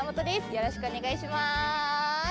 よろしくお願いします